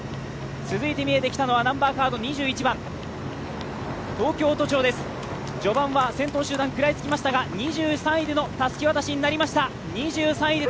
続いて見えてきたのは２１番、東京都庁です、序盤は先頭集団食らいつきましたが２３位でのたすき渡しになりました。